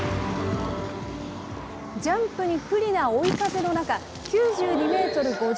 ジャンプに不利な追い風の中、９２メートル５０。